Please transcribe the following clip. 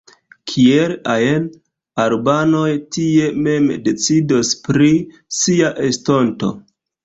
Kiel ajn, albanoj tie mem decidos pri sia estonto.